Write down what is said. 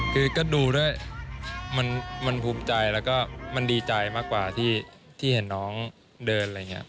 คือก็ดูด้วยมันภูมิใจแล้วก็มันดีใจมากกว่าที่เห็นน้องเดินอะไรอย่างนี้